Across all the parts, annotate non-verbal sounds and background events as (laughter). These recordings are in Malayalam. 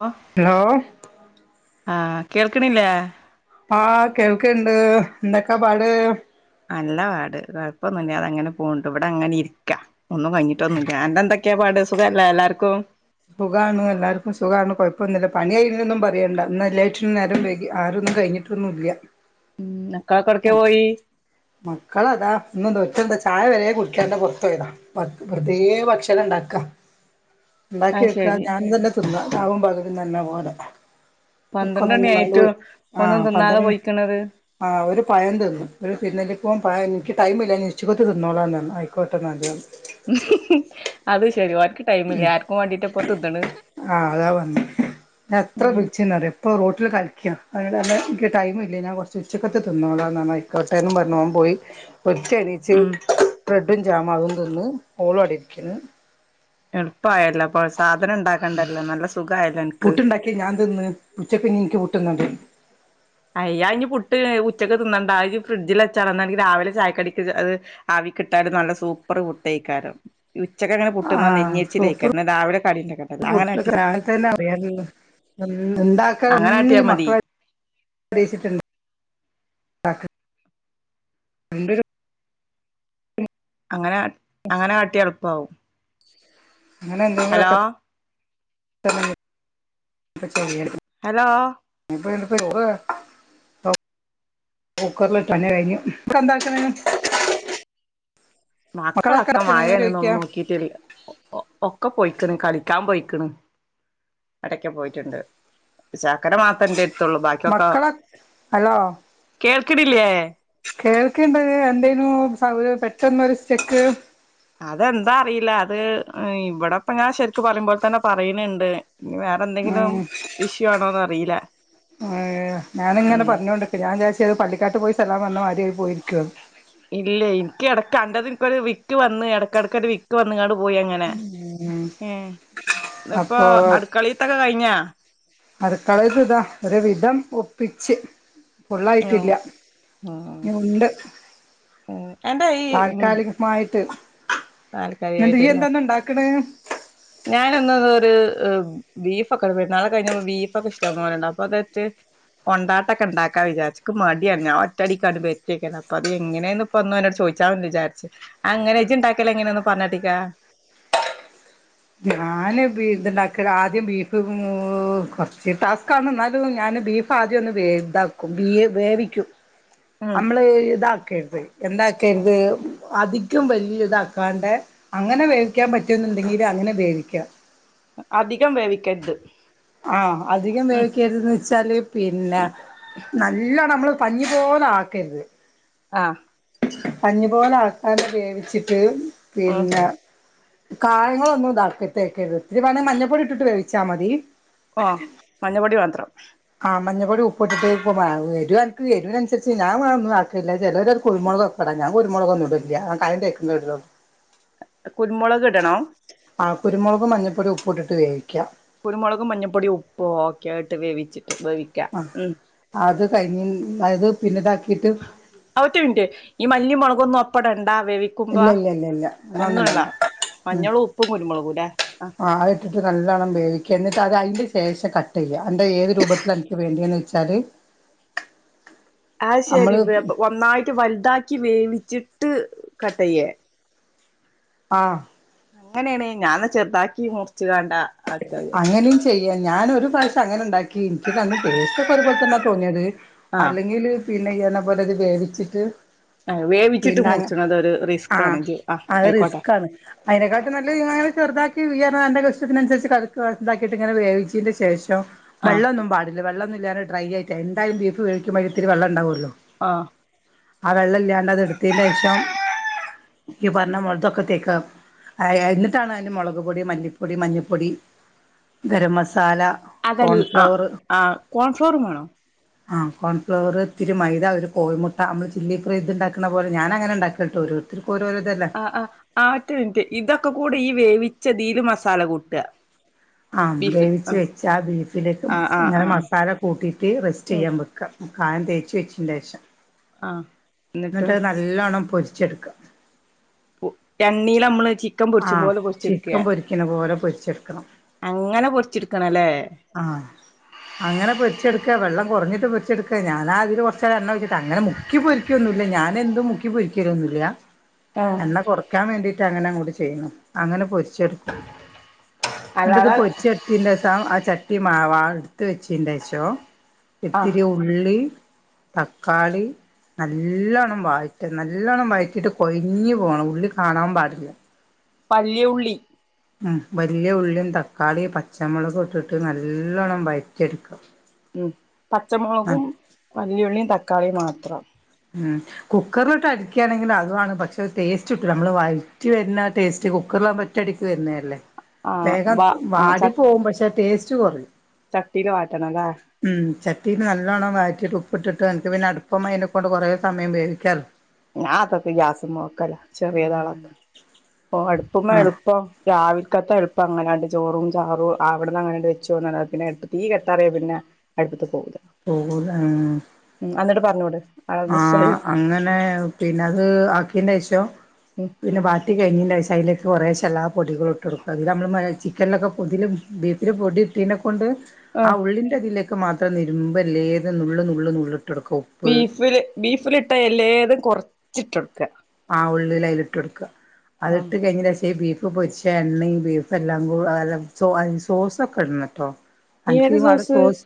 ഫ ഹലോ ആഹ കേൾക്ണില്ലേ ആഹ് കേൾക്കുണ്ട് എന്തൊക്കെ പാട്? നല്ല പാട് കുഴപ്പൊന്നുല്ലാതങ്ങനെ പോണ്ണ്ട് വിടെ അങ്ങനെ ഇരിക്കാ ഒന്നും കയിഞ്ഞിട്ടൊന്നില്ല ഞൻന്റെ എന്തൊക്കെയാ പാട് സുഖംല്ലേ എല്ലാവർക്കും? സുഖമാണ് എല്ലാവർക്കും സുഖാണ് കുഴപ്പൊന്നില്ല പണി കഴഞ്ഞൊന്നും പറയണ്ട ഇന്ന് എല്ലാത്തിനും നേരം വൈകി ആരൊന്നും കഴിഞ്ഞിട്ടില്ല ന്നുല്ലാ ഉം ഇക്കാക്കടക്കെ പോയി മക്കളതാ ഇന്നും ഒരുതനത് ചായ വരെ കുടിക്കാതെ പൊറത്ത് പോയതാ വെർതേ ഭക്ഷണണ്ടാക്കാ ഉണ്ടാക്കി അത് വെക്കാ ശരി ഞാൻ തന്നെ തിന്ന രാവും പകന്ന് തന്നെ പോലെ പന്ത്രണ്ടണി ഇവർക്കൊന്നും വേണ്ട ആയിട്ടും ഒന്നും ആഹ് തിന്നാതെ പന്ത്രണ്ട് പോയ്ക്കണത് ആഹ് ഒരു പയം തിന്ന് ഒരു തിന്നലി പോകവാൻ എനിക്ക് ടൈം മില്ലന്ന്നി ഉച്ചക്കത്തെ തിന്നോളാംന്ന് പറഞ്ഞു ആയിക്കോട്ടെന്നാല് പറഞ്ഞ് ഹ് ഹ് അത് ശെരി ഓൽക്ക് ടൈമില്ല ആർക്കും വേണ്ടീട്ടപ്പ തിന്ന്ണ് ആഹ അതാ പറഞ്ഞത് ഞാ എത്ര ഉം വിളിച്ചുന്നറിയോ ഇപ്പ റോട്ടില് കളിക്കാ അ എനിക്ക് ടൈമില്ല ഞാൻ കൊറച്ച് ഉച്ചക്കിട്ട് തിന്നോളാം ന്ന് പറഞ്ഞ് അയ്‌കോട്ടെന്നും പറഞ്ഞ് ഓൻ പോയി ഒരിത്തി എണീ ഉം ച്ച്ബ്രെഡും ജാമും അതും തിന്ന് ഓളും അവിടിരിക്ക്ണ് എളുപ്പായല്ലോ അപ്പോ സാധനണ്ടാക്കേണ്ടല്ലോ നല്ല സുഖായല്ലോ അനക്ക് പുട്ടുണ്ടാക്കി ഞാൻ തിന്ന് ഉച്ചക്കിനിൻക്ക് പുട്ടും കടലയും അയ് അയ്ഞി പുട്ട് ഉച്ചക്ക് തിന്നണ്ട അത് ഫ്രഡ്ജിൽ വച്ചാളാ എന്നാെങ്കിൽ രാവിലെ ചായക്കടിക് അത് ആവികിട്ടാല് നല്ല സൂപ്പർ പുട്ടയ്ക്കാരം ഉച്ചക്കങ്ങനെ പുട്ട്ന്നാല് ആഹ് നെഞ്ഞേ യ് സൂപ്പർ രിചിലേക്കാരം രാവിലെ കടീണ്ടാക്കല്ലോ അങ്ങനെട്ടിയോക്കാ ഉം ണ്ടാക്കിയതൊന്നും ഈ മക്കൾ (inaudible) അങ്ങനെ അങ്ങനെ കാട്ടിയാ എളുപ്പാവും അങ്ങനെ ഹലോ എന്തെങ്കിലൊക്കെ (unintelligible) ചെയ്യും ഹലോ (unintelligible) കുക്കറിലിട്ട് തന്നെ കഴിഞ്ഞു അവിടെ എന്താക്ണ് മക്കളൊക്കെ മായാണ് ചോദിക്കാ ന്നൊന്നും നോക്കിട്ടില്ല ഒക്കെ പോയിക്കണ് കളിക്കാൻ പോയിക്കണ് എടക്ക പോയിട്ടുണ്ട് ചക്കര മാത്രം ൻ്റെരിത്ത് ത്തുള്ളൂ ബാക്കിയൊക്കെ മക്കളൊ കേൾക്കണില്ലേ കേൾക്കേണ് ണ്ട് എന്തേനു പെട്ടെന്നൊരു സ്റ്റെക്ക് അതെന്താ അറിയില്ല അത് ഇവിടെപ്പ ഞാൻ ശരിക്കും പറയുമ്പോല തന്നെ പറയണണ്ട് ഇഞി വേറെ വേറെന്തെങ്കിലും ഉം ഇഷ്യു ആണോന്ന് അറിയില്ല ഏഹ് ഞാനിങ്ങനെ ഉം ഞാൻ പറഞ്ഞോണ്ട്ക്ക വിചാരിച്ച് അത് പള്ളിക്കാട്ട് പോയി സലാം പറഞ്ഞ മാര്യായി പോയിരിക്കാന് ഇല്ലേയ് എനിക്ക് ഇടയ്ക്ക് അൻ്റത് എനിക്കൊരു വിക്ക് വന്ന് ഇടയ്ക്കിടയ്ക്കൊ ഒരു വി ക്ക്‌ വന്നങ്ങാണ്ട് പോയി അങ്ങനെ ഏ ഇന്ന്പ്പോ അപ്പോ അടുക്കളീത്തൊക്കെ കഴിഞ്ഞോ അടുകളിത്തെതാ ഒരുവിധം ഒപ്പിച്ച് ഉം ഫുള്ളായിട്ടില്ല ഇനി ഉം ഉണ്ട് എന്റെ ഈ താൽക്കാലിക മായിട്ട് എന്നിട്ട് താൽക്കാലികായിട്ടുള്ള നീയ്യെന്താന്ന്ണ്ടാക്കണ് ഞാനന്നൊരു ഒരു ബീഫ്ക്കെ പെര്ന്നാളൊക്കെ കഴിഞ്ഞപ്പോ ബീഫൊക്കെ ഇഷ്ടം പോലണ്ട് അപ്പൊ അതേറ്റ് കൊണ്ടാട്ടൊക്കെ ണ്ടാക്കാ വിചാരിച്ച് ക്ക്മടിയാണ് ഞൻ ഒറ്റടിക്കാണ്ട് വരിട്ടി വെക്കാലാണ് അപ്പൊ അത് എങ്ങനെയന്ന് ഇപ്പൊന്നും എന്നോട് ചോയ്ചാ ചാരിച്ച് അങ്ങനെജി ഉണ്ടാക്കലങ്ങനെ ന്ന് പറഞ്ഞാട്ടിക്കാ ഞാന് ഇത്ണ്ടാക്കിയ ആദ്യം ബീഫ് കൊറച്ച് ടാസ് കാണ് എന്നാലും ഞാന് ബീഫ് ആദ്യം ഒന്ന് വേ ഇതാക്കും വ വേവിക്കും ഉം നമ്മള് ഇതാക്കരുത് എന്താക്കരുത് അധികം വലിയ ഇതാക്കാണ്ട് അങ്ങനെ വേവിക്കാൻ പറ്റുമുന്നുണ്ടെങ്കിൽ അങ്ങനെ വേവിക്കാ അധികം വേവിക്കരുത് ആഹ അധികം ഉം വേവിക്കരു ത്‌ന് വെച്ചാല് പിന്നെ നല്ല നമ്മള് പഞ്ഞി പോലെ ആക്കരുത് ആഹ പഞ്ഞിപോലെ ആക്കാതെ വേവിച്ചിട്ട് ഉം പിന്നെ കായങ്ങളൊന്നും ഇതാക്ക തേക്കരുത് ഒത്തിരി വേണ മഞ്ഞപ്പൊടി ഇട്ടിട്ട് വേവിച്ചാൽ മതി ഓ മഞ്ഞ പൊടി മാത്രം ആ മഞ്ഞപ്പൊടി ഉപ്പ്ട് ട്ട് ഇപ്പ എരുഅൻക്ക് എരുവിനൻസര്ച്ച് ഞാൻ ഒന്നും ആക്കേല്ല ചിലര് കുരു മുളകൊ അത ഞാൻ കുരുമുളകൊന്നും ഇട ലില്ല ഞാൻ കായംതേക്ക്ന്നെ ഇടലൊള്ളു. കുരുമുളക്ക്ടണം? ആ കുരുമുളക്കും, മഞ്ഞപ്പൊടി, ഉപ്പ് ഇടിട്ട് വേവിക്ക. കുരുമുളക്കും മഞ്ഞപ്പൊടിയും ഉപ്പും ഒക്കെ ഇട്ട് വേവിച്ചിട്ട് വേവി ആ അത് കയ്ഞ് അയ്ത് പിന്നെ ഇതാക്കിട്ട് ഒറ്റ മിൻറ്റ് ഈ മല്ലിമുളകൊന്നും ഒപ്പടണ്ടാ വേവി ക്കുമ്പ ഇല്ല ഇല്ല ഇല്ല ഇല്ല അതൊന്നും ഒന്നുടണ്ടാ ഇടണ്ട ഉം മഞ്ഞളും, ഉപ്പും, കുരുമുളകൂല്ലെ. ആ അത് ഇട് ട്ട് നല്ലോണ്ണം വേവിക്ക എന്നിട്ട് അത് അയ്ന്റെ ശേഷം കട്ടെ യ്യാ ന്ന്ട്ട് ഏത് രൂപത്തില അൻക്ക് വേണ്ടിയന്ന് വെച്ചാല് (inaudible) ആ ശെരി നമ്മള് അപ്പ ഒന്നായിട്ട് വൽ താക്കി വേവിച്ച്ട്ട് കട്ടയ്യേ? ആഹ്. അങ്ങനേണ് ഞാന്ന ചെർതാക്കി മുർച്ചാണ്ടാ അങ്ങനിം ചെയ്യ ഞാനൊര് പ്രാവശ്യം അങ്ങനെണ്ടാക്കി ക്കി ഇൻക്ക് രടും ടേസ്റ്റ് ഒക്കെ ഒരുപോെലെ തന്നെ തോന്ന്യത് ആഹ് അല്ലെങ്കില് പിന്നെ ഇയ്യർഞ്ഞ പോലെ വേവിച്ച്ട്ട് ആ വേവിച്ച്ട്ട് മുർച്ച്ണത് ഒരു റിസ്ക്കാണെങ്കി ആ ആയ്ക്കോട്ടെ. അയ്നെക്കാട്ടിം നല്ലേ ഇ യ്യങ്ങനെ ചെർതാക്കി ഇയർന്ന അന്റെലൊ ഇഷ്ടത്തിനൻസര്ച്ച് തെറക്ക് താക്കിട്ട് ഇങ്ങനെ വേവിച്ചേ ന്റെ ശേഷം ആഹ് വെള്ളന്നും പാടി വെള്ളൊന്നുല്ലാതെ ഡ്രൈ ആയിട്ടെ എാന്തായാലും ബീഫ് വേ വിക്കുമ്പോ അയ്ലിത്തിരി വെള്ളണ്ടാവൊല്ലോ. ആഹ്. ആ വെള്ളം ഇല്ല്യാണ്ടത് എട്ത്തേ ന്റെഷം ഈ പറഞ്ഞ മുതൊക്കെ തേക്ക. അത് അത് എന്നിട്ടാണം അറ്റെ മുളക്പൊടി, മല്ലിപ്പൊടി, മഞ്ഞപ്പൊടി ഗരംമസാല. അതല്ല അ അ കോൺഫ്ലവറും വേണോ? ആ കോൺഫ്ലവറ് ഇത്തിരി മൈദ ഒരു കോഴിമുട്ട അമ്മൾ ചില്ലി ഫ്ര ഇത് ഇണ്ടാക്ക്ണ പോലെ ഞാന അങ്ങനെ ഇണ്ടാക്കിട്ടൊരു ത്രക്കോരോഇതല്ലേ. അ ആ ഒറ്റ മിൻറ്റ് ഇതൊക്കെ കൂടി ഈ വേവിച്ചതീല് മസാല കൂട്ടാ. ആ വേവിച്ച് വെച്ച ആ ബീഫിലേക്ക് ആഹ് ആഹ് ഇങ്ങനെ ആഹ് മസാല കൂട്ടീട്ട് റെസ്റ്റെ ഉം യ്യാൻ വെക്ക. കായം തേച്ച് വെച്ചേറ്റേഷം. ആഹ്. എന്നിട്ട് ഇന്നട്ടത് നല്ലോണ്ണം പൊര്ച്ചെട്ക്കാ. ഉ എണ്ണീലമ്മള്ച്ചീ ആ ചിക്കൻ പൊരിക്ക്ണ പോലെ പൊര്ച്ചെട്ക്കണം. അങ്ങനെ പൊര്ച്ചിട്ക്കണല്ലേ. ആഹ് അങ്ങനെ പൊര്ച്ച്ട്ക്കെ വെള്ളംകൊർഞ്ഞിട്ട് പൊര്ച്ചെട് ക്കെ ഞാനാ അതില് കൊർചെണ്ണ ഒയ്ച്ചി ട്ട അങ്ങനെ മുക്കി പൊരി ക്ക്യൊന്നുല്ല ഞാൻ എന്നും മുക്കി പൊരിക്ക്യലൊന്നുല്യാ ആഹ് എണ്ണ കൊർ ക്കാൻ വേണ്ടീട്ട് അങ്ങനെ അങ്ങട് ചെയ്യ്ണ അങ്ങനെ പൊര്ച്ചെട്ക്കും ന്ന്ട്ട്ത് അല്ലാതെ പൊര്ച്ചെ ത്തിന്റെസം ആ ചട്ടി മാവാ എട്ത്ത് വെച്ചിന്റെഷം ആ ഇത്തിരി ഉള്ളി തക്കാളി നല്ലോണ്ണം വായ്റ്റ നല്ലോണ്ണം വയ് റ്റിട്ട് കൊഴ്ഞ്ഞ് പോണം ഉള്ളി കാണാൻ പാടില്ല. വല്ല്യള്ളി. ഉം വല്യ ഉള്ളീം തക്കാളി, പച്ചമുളക് ഇട്ടിട്ട് നല്ലോണ്ണം വയറ്റി എട്ക്ക. ഉം പച്ചമുളകും, വല്യുള്ളീം, തക്കാള്ളീം മാത്രം. ഉം. കുക്കർല്ട്ട് അട്ക്ക്യാണെങ്കി അതാണ് പക്ഷേ ടേസ്റ്റ് കിട്ടൂല നമ്മൾ വഴറ്റി വര്ന്ന ആ ടേസ്റ്റ് കുക്കർലാവുംമ്പോ ഒറ്റയടിക്ക് വര്ന്നല്ലേ ആ വേഗം വ ആ വാടി പോവും പക്ഷെ ടേസ്റ്റ് കൊറിം. ചട്ടീല് വാട്ടണലേ? ഉം ചട്ടീല് നല്ലോണ്ണം വയറ്റിയിട്ട് ഉപ്പിട്ടിട്ട് അൻക്ക് പിന്നെ അട്പ്പ്‌മ്മേ കൊണ്ട് കൊറേ സമയം വേവിച്ചാൽ ഞാ അതൊക്കെ ഗ്യാസുംമ്മ വെക്കല ചെറിയതാളൊക്കെ ഓ അടുപ്പ്മ്മ ആഹ് എള്പ്പം രാവിൽക്കത്തെ എൾപ്പ അങ്ങനാണ്ട് ചോറും ചാറും അവിട്ന്നങ്ങനണ്ട് വെച്ചോന്ന്ണ് പിന്നെ എട്ക് തീ കെട്ടാറിയ പിന്നെ അട്പ്പത്ത്ക്കോവൂല. പോവൂലാ ഉം അന്നിട്ട് പർഞ്ഞൂട് ആഹ് അങ്ങനെ പിന്നെത് ആക്കിന്റെശം ഉം പിന്നെ വാട്ടി കഴിഞ്ഞേന്റെഷം അയ്ല് കൊറേശ ല്ലാ പൊടികള് ഇട്ട് കൊട്ക്കും. അതില് നമ്മള് ചിക്കൻലൊക്കെ പുതില് ബീഫിൽ പൊടി ഇട്ടീനെകൊണ്ട് ആ ഉള്ളിന്റെ തിലേക്ക് മാത്രം നിരുമ്പല്ലേ ഏത് നുള്ള് നുള്ള് നുള്ള് ഇട്ടൊട്ക്കും. ബീഫ് ല് ബീഫല് ട്ടാ എല്ലേതും കൊർച്ചിട്ടൊട്ക്ക ആഹ് ഉള്ള്ല് അയ്ലിട്ടൊട്ക്ക ആ അതിട്ട് കഴിഞ്ഞേന്റെഷം ഈ ബീഫ് ക്കെ പൊര്ച്ച എണ്ണിം ബീഫു എല്ലാം കൂ സോസൊക്ക ഇടണംട്ടോ. അൻക്ക് ഇവാടെ സോസ്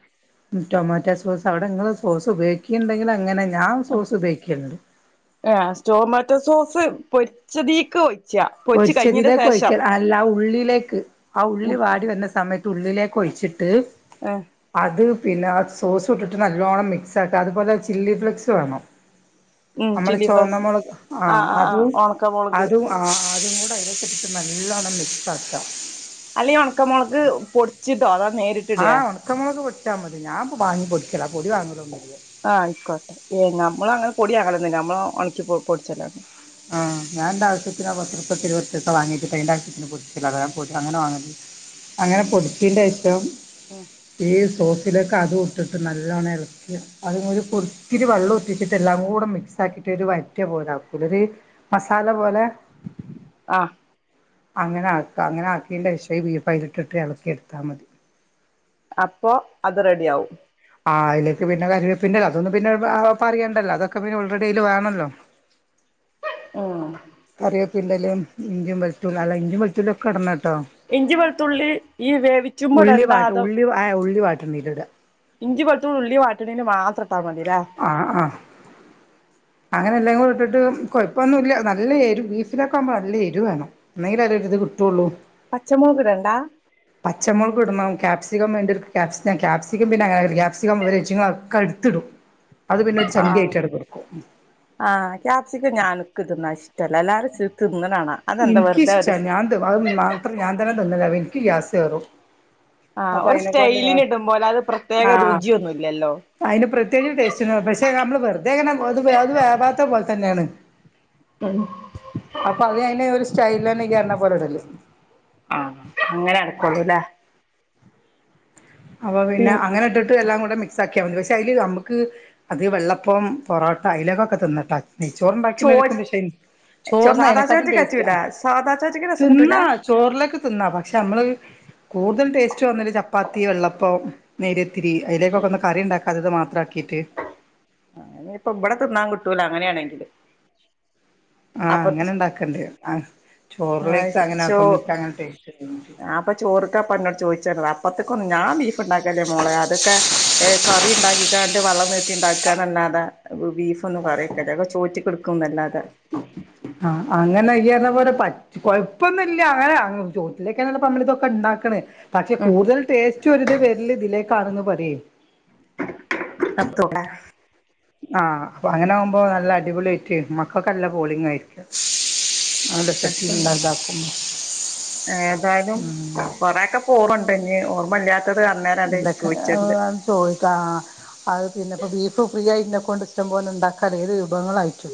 ടൊമാറ്റോ സോസ് അവിടെങ്ങള് സോസ് ഉപയോഗിക്കീണ്ടെങ്കില് അങ്ങനെ ഞാൻ സോസ് ഉപയോഗിക്കൽണ്ട് ഏ സ്‌റ്റോമാറ്റോ സോസ് പൊരിച്ചതീക്ക് ഒയി പൊരിച്ചതിലേക്ക് ഒഴിക്കൽ അല്ല ആ ഉള്ളിയിലേക്ക് ആ ഉള്ളി വാടി വന്ന സമയ തുള്ളിലേക്കൊഴിച്ചിട്ട് ഏഹ് അത് പിന്നെ ആ സോസുട്ട്ട്ട് നല്ലോണം മിക്സ് ആക്ക. അതുപോലെ ചില്ലി ഫ്ലേക്സ് വേണം. ഉം നമ്മളെ ചില്ലി ഫ്ലസ് ചോന്നമൊളക് ആഹ് അതും അതും ആഹ് അതും കൂടെ അയ്ലേക്ക്ട്ട്ട്ട് നല്ലോണം മിക്സ് ആക്ക അല്ലെ ഈ ഒൺക്ക മൊളക് പൊട്ച്ചിട്ടോ അതോ ആഹ് ഒൺക്ക മൊളക് പൊട്ച്ചാ മതി. ഞാൻ വാങ്ങി പൊടിക്കല പൊടി വാങ്ങലൊന്നുല്ല. ആഹ് ആയിക്കോട്ടെ ഏഹ് നമ്മളങ്ങനെ പൊടി വാങ്ങലൊന്നുല്ല. നമ്മള് ഒൺക്കി പൊട്ച്ചലാ ആഹ് ഞാൻ ന്റെ ആവശ്യത്തിന പത്തുർപ്യട്ത്ത് ഇരുവൊർപ്യട്ത്തോ വാങ്ങിട്ട് പ്പയ്ന്റെ ആവശ്യത്തിന് പൊടിച്ചലാ അങ്ങനെ വാങ്ങല് അങ്ങനെ ഉം പൊട്ച്ചീന്റെശം ഉം ഈ സോസിലേക്ക് അതും ഇട്ട്ട്ട് നല്ലോണം എൾക്ക അത് ഒരു പൊട് ത്തിരി വെള്ളം ഉറ്റിച്ചിട്ട് എല്ലാം കൂടെ മിക്സ് ആക്കിയിട്ട് ഒരു വയറ്റിയ പോല ആക്കൂലെ ഒര് മസാല പോലെ ആഹ് അങ്ങനെ ആക്ക അങ്ങനെ ആക്കീന്റെശേ ഈ ബീഫ് അയ്ല്ട്ടിട്ട് എളക്കിയെട്ത്താ മതി. അപ്പോ അത് റെഡി ആവും. ആഹ് അയ്ലേക്ക് പിന്നെ കരി വേപ്പിന്റെല അതൊന്നും പിന്നെ പറയേണ്ടല്ലോ അതൊക്കെ പിന്നെ ഓൾറെഡി അയ്ല് വേണല്ലോ. (unintelligible) കറിയേപ്പിന്റെലിം ഇഞ്ചും വെൾത്തൂ അല്ല ഇഞ്ചി വെൽത്തൂള്യോക്കെ ഇടണട്ടോ. ഇഞ്ചിം വെൾത്തുള്ളി ഈ വേവിച്ചുമ്പൊടണ്ടാ അതോ ഏ ഉള്ളി വാട്ട്ണീല് ഇട ഇഞ്ചിം വെൾത്തു ഉള്ളി വാട്ട്ണീല് മാത്രം ട്ടാ മതിലേ. ആഹ് അഹ് അങ്ങനെ എല്ലാം കൂടി ഇട്ടിട്ട് കൊഴപ്പൊന്നുംല്ല. നല്ല എരു ബീഫിലൊക്കെ ആക്മ്പോ നല്ല എരു വേണം. എന്നെയ്ലേ ഒര് ഇത് കിട്ടുള്ളൂ. പച്ചമൊളക് ടണ്ടാ? പച്ച മൊൾക്ടണം കാപ്സിക്കം വേണ്ട്യാൽക്ക് ക്യാപ്സം ക്യാപ്‌സിക്കം പിന്നെ അങ്ങന ക്യാപ്‌സിക്കം (unintelligible) ഒക്കെ ഇട്ത്ത്ടും. അത് പിന്നെ ഒരു ചണ്ടി ആഹ് ആയിട്ട് അവിടെ കെട്ക്കും. ആഹ് ക്യാപ്സിക്കം ഞാന് ക്ക് തിന്നാ ഇഷ്ടല്ല. എല്ലാരും തിന്ന്ണാണ അതെന്താ വെർതെ ഒര് എനിക്കിഷ്ടാ ഞാൻ അത് മാത്രം ഞാൻ തന്നെ തിന്നല്ല അപ്പൊ ഇൻക്ക് ഗ്യാസേറും. ആഹ് ഒരു സ്റ്റൈലിന് ഇടും പോലെ അത് പ്രത്യേക രുചിയൊന്നുംല്ലല്ലോ അയ്ന് പ്രത്യേകിച്ച് ടേസ്റ്റ പശേ ഞമ്മള് വെർതെ ഇങ്ങനെ അത് അത് വേവാത്ത പോൽ തന്നെയാണ്. ഉം അപ്പൊ അത് അഹ് ഒരു സ്റ്റൈല് തന്നെ എണ്ണം പോലടല്ലേ ആഹ് അങ്ങനെ അടക്കള്ളൂല്ലേ അപ്പൊ പി പിന്നെ അങ്ങനെട്ട ട്ട് എല്ലാം കൂടെ മിക്സ് ആക്കാ മതി പക്ഷെ അതില് നമുക്ക് അത് വെള്ളപ്പം പൊറോട്ട അലെക്കൊക്കെ തിന്നിട്ടാ നെയചോർ ചോ ഉണ്ടാക്കി എടുക്കും പക്ഷെ ചോറിന സാദാ അനെക്കാട്ടും ചോറ്റ്ക്ക് ടേസ്റ്റ് പറ്റൂല ആഹ് സാദാ ചോറ്റ്ക്ക് രസം തിന്ന കിട്ടൂല ചോറിലൊക്കെ തിന്ന പക്ഷെ നമ്മള് കൂടുതൽ ടേസ്റ്റ് വന്നല് ചപ്പാത്തി വെള്ളപ്പം നേയര്ത്തിരി അതിലേക്കൊക്കെ ഒന്ന് കറി ഉണ്ടാക്കാത്തത് മാത്രമാക്കിയിട്ട് ആഹ് ഇപ്പൊ ഇവിടെ തിന്നാൻ കിട്ടൂലോ അങ്ങനെയാണെങ്കില് ആഹ് അപ്പ അങ്ങനെ ഉണ്ടാക്കണ്ടേ ചോറിലേക്ക് അങ്ങനെ ആക്കുമ്പങ്ങനെടേസ്റ്റ് അപ്പൊ ചോറ്ക്കാപ്പ എന്നോട് ചോദിച്ചിര അപ്പത്തക്കൊന്ന് ഞാ ഉണ്ടാക്കല്ലേ മോളെ അതൊക്കെ കറി ഉണ്ടാ‌ക്കി വെള്ളം നീട്ടി ഉണ്ടാക്കാനല്ലാതെ ബീഫ് ഒന്നും കറിവെക്കില്ല ഒക്കെ ചോയിച്ചിട്ട് അടുക്കുന്നലത്തെ ആഹ് അങ്ങനെയുന്ന പോലെ പ കൊഴപ്പൊന്നുംല്ല അങ്ങനെ ചോട്ടിലേ (unintelligible) ഉണ്ടാക്കണ് പക്ഷെ ഉം കൂടുതൽ ടേസ്റ്റ് ഒരിത് വരിൽ ഇതിലേക്കാണെന്ന് പറയേ (inaudible) ആഹ് അപ്പൊ അങ്ങനെ ആകുമ്പോ നല്ല അടിപൊളി ആയിട്ട് മക്കൾക്കല്ല പോളിങ്ങ ആയിരിക്ക രസണ്ട ഏതായാലും കൊറക്കെ ഓർമുണ്ട് ഇഞ് ഓർമ്മ ഇല്ലാത്തത് അന്നേരം അത് ചോദിച്ചിത് ചോറ് താ അത് പിന്നെ ഇപ്പോൾ ബീഫ് ഫ്രീ ആയിട്ടതിനെകൊണ്ട് ഇഷ്ടം പോലെ ഉണ്ടാക്കാ അല്ല ഏത് വിഭവങ്ങളായിട്ടും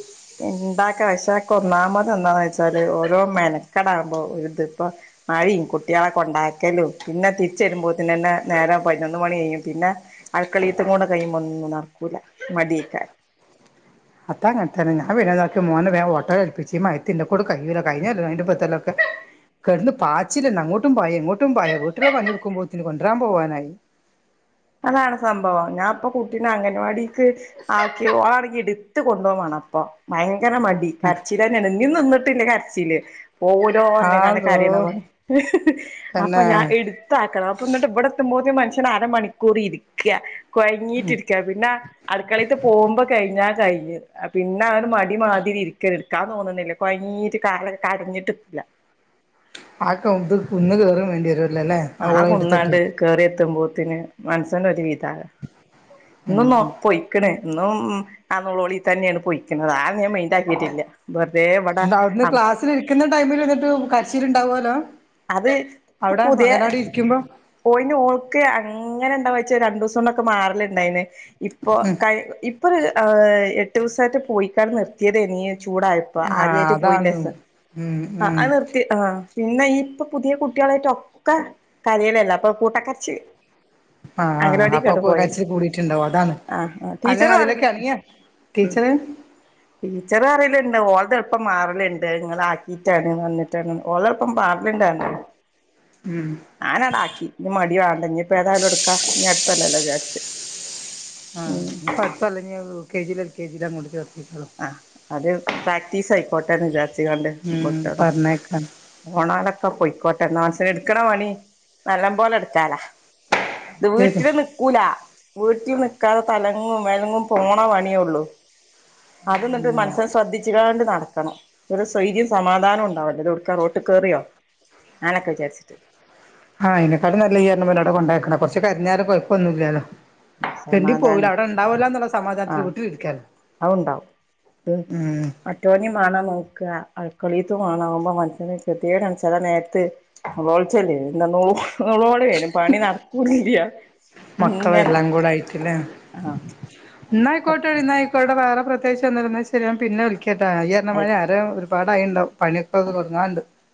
ഉണ്ടാക്ക പശക്ക ഒന്നാമത് എന്താന്ന് വെച്ചാല് ഓരോ മെനക്കടാകുമ്പോ ഇതി ഇപ്പ മഴയും കുട്ടികളെ കൊണ്ടാക്കലും പിന്നെ തിരിച്ചെരുമ്പോ തന്നന്നെ നേരം പതിനൊന്ന് മണി കഴിയും പിന്നെ അടാക്കളീത്ത കൊടെ കഴിയുമോ ഒന്നിന്നും നടക്കൂല മടക്കാ അത്താ അങ്ങനത്തന്ന ഞാൻ വനതാക്കി മോൻ ഓട്ടോ കൽപ്പിച്ച് മയത്തിന്റെ എന്നെ കൊണ്ട് കഴിയില്ല കഴിഞ്ഞക്കോലം അതിന്റെമുമ്പ്ത്തെ കൊല്ലവും ഒക്കെ കിടന്ന് പാച്ചില്ലണ്ട് അങ്ങോട്ടുംതായ ഇങ്ങോട്ടും പായ വീട്ടിലുള്ള പണി ടുക്ക്പോന്നന് കൊണ്ടവരാൻ പോവാനായി അതാണ് സംഭവം ഞാൻ ഇപ്പ കുട്ടീനെ അംഗൻവാടിക്ക് ആ‌ക്കി ഓളാണെങ്കി എടുത്ത് കൊണ്ടുപോക വേണം അപ്പ ഭയങ്കര മടി കരച്ചി തന്നെയാണ് ഇനും നിന്നിട്ടില്ലേ കരച്ചിയില് (unintelligible) കാണ ആതോ കരയണ പോലെ അപ്പൊ തന്നെ ഞാൻ എടു (unintelligible) അപ്പൊ എന്നിട്ട് ഇവിടെ എത്തുമോത്തെ മനുഷ്യൻ അരമണിക്കൂർ ഇരിക്കുക കൊഴങ്ങിട്ടിരിക്ക പിന്നെ അടുക്കളയിത്ത് പോകുമ്പോൾ കഴിഞ്ഞാ കഴിഞ്ഞത് പിന്നെ അവടെ മടി മാതിരി ഇരിക്കരു എടു നിക്കാൻ തോന്നുന്നില്ല കൊയഞ്ഞീറ്റ് കാലാക്കെ കടഞ്ഞിട്ടില്ല ആക്ക (unintelligible) ഇന്ന് കയറൻ വേണ്ടി വരുല്ലോ അല്ലേ ആഹ് കൊന്നാണ്ട് കറി എത്തുമ്പോത്തിന് മനസ്സന്റെ ഒരു ഇതാകും ഉം ഇന്നും നോ ഉം പൊയിക്കണ ഇന്നും ആളി തന്നെയാണ് പൊയിക്കണുന്നത് ആഹ് ഞാൻ മൈന്റ് ആക്കിയിട്ടില്ല വെറുതെ ഇവിടെ (unintelligible) അവിന്ന് ക്ലാസ്സിൽ ഇരിക്കുന്ന ടൈമിൽ വന്നിട്ട് കരിച്ചിൽ ഉണ്ടാവുവല്ലോ അത് ഇപ്പൊ പുതിയ ഓയിന് ഓൾക്കെ അങ്ങനെ ഇണ്ടാവ വച്ച രണ്ടു ദിവസം കൊണ്ടൊക്കെ മാറലുണ്ടായിന് ഇപ്പോ കൈ ഇപ്പൊ ഒരു എട്ട് ദിവസമായിട്ട് പോയിക്കാണ് നിർത്തിയത് ആയിരുന്നു ചൂടായിട്ട് അപ്പൊ ആഹ് ആദ്യായിട്ട് അതാണ് പോയിന്റെ രസം ഉം ആഹ് ഉം അഹ് നിർത്തിയ ആഹ് പിന്നെ ഈ ഇപ്പൊ പുതിയ കുട്ടികളായിട്ട ഒക്കെ കരായലല്ല അപ്പൊ കൂട്ടകരച്ചിൽ ആഹ് ആഹ് അപ്പൊ കരച്ചില് കൂടിട്ടുണ്ടാവോ അതാണ് ആ ആ ടീച്ചറ് അല്ലെങ്കിൽ അതിലൊക്കെ പറയും അണങ്ങിയ ഉം ടീച്ചറ് ടീച്ചർ അറിയിയുണ്ട് ഓള എളുപ്പം മാറലുണ്ട് നിങ്ങ ആക്കിയിട്ടാണ് വന്നിട്ടാണ് ഓള എളുപ്പം ലിണ്ടാണ് (unintelligible) ഉം ഞാനടാക്കി ഇനി മടി വേണ്ട ഇനി ഇപ്പൊ തായാലും എടുക്കാ ഇനി അടുത്തല്ലല്ലോ വിചാരിച്ച് ഉം ആഹ് പ അടുത്തല്ലെങ്ക യൂ കെ ജി ഒരു എ കെ ജി അങ്ങോട്ട് ചർട്ട ആഹ് അത് പ്രാക്ടീസ് ആയിക്കോട്ടെന്ന് വിചാരിച്ച കണ്ട് ഉം മുട്ടത പറഞ്ഞേക്കാം പോണാലൊക്കെ പോയിക്കോട്ടെ എഹ് എന്നാ മനസന് എടുക്കണ പണി നല്ല പോലെ എടുത്താലാ ഇത് ശരി വീട്ടില് നി നക്കൂല വീട്ടിൽ നിക്കാതെ തലങ്ങും വേലങ്ങും പോണ പണിയള്ളൂ അത്ന്നിട്ട് മനസ്സന് ശ്രദ്ധിച്ചുകാണ്ട് നടും ആ ഒരു ശൈതിം സമാധാനവും ഉണ്ടാവല്ലേ ഇത് ഉടുക്കാ റോട്ട് കേറിയോ ഞാനൊക്കെ വിചാരിച്ചിട്ട് ആഹ അതിനനക്കാട് നല്ലഈ പോലടടെ കൊണ്ടാക്കക്കണം കൊറച്ച് കരിഞ്ഞാല കുഴപ്പൊന്നുമില്ലല്ലോ തെണ്ടി പോകൂല്ല സമാധാനം അവിടെ ഉണ്ടാവല്ലോ എന്നുള്ള സമാധാനത്തി വീട്ടിൽ ഇരിക്കലെ അ ഉണ്ടാവും ഉം അറ്റോനും മാണ നോക്ക അൾക്കളീത്ത കാണകുമ്പോൾ മനുഷ്യന് കൃത്യേയുടെനച്ചതാ നേരത്ത് നോളിച്ചല്ലോ ന നൂളോള വും പണി നടക്കുന്നില്ല ഇങ്ങനെ യിട്ട ന കൊട്ട ന (inaudible) ഇവി വേറെ പ്രത്കിച്ച്ന്നിരുന്ന ശരി പിന്നെ വിളിക്കേട്ടാ നി ആഹ് അയ്യരന്മാര് ആ ഒരുപാടയി ഉണ്ടാവും പണിയൊക്കെത് തുടുങ്ങാറുണ്ട്